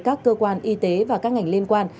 các cơ quan y tế và các ngành liên quan